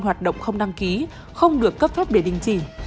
hoạt động không đăng ký không được cấp phép để đình chỉ